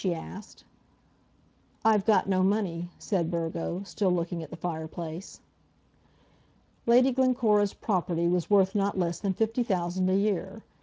she asked. "I've got no money," said Burgo, still looking at the fireplace. Lady Glencora's property was worth not less than fifty thousand a year.